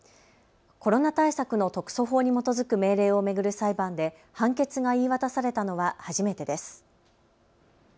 コロナ対策の特措法に基づく命令を巡る裁判で判決が言い渡されたのは初めてです。